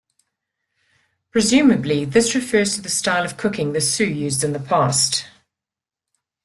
Presumably, this refers to the style of cooking the Sioux used in the past.